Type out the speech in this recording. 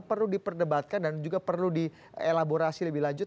perlu diperdebatkan dan juga perlu dielaborasi lebih lanjut